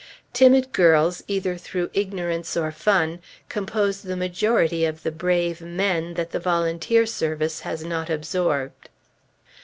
Timid girls, either through ignorance or fun, compose the majority of the brave "men" that the volunteer service has not absorbed.